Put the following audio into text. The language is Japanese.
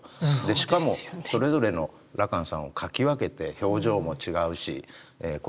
しかもそれぞれの羅漢さんを描き分けて表情も違うし衣の紋様も違うし。